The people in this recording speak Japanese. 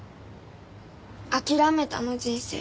諦めたの人生。